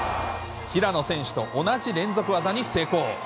平野選手と同じ連続技に成功。